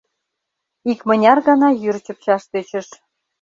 Икмыняр гана йӱр чыпчаш тӧчыш.